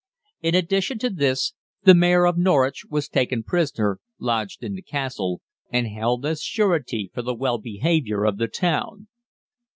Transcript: In addition to this, the Mayor of Norwich was taken prisoner, lodged in the Castle, and held as surety for the well behaviour of the town.